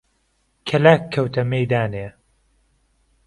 کەلاک کهوته مهیدانێ